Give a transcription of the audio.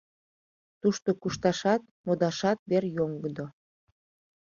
Тушто кушташат, модашат вер йоҥгыдо.